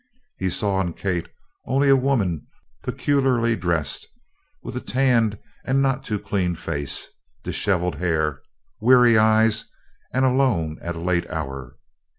He saw in Kate only a woman peculiarly dressed, with a tanned and not too clean face, dishevelled hair, weary eyed, and alone at a late hour.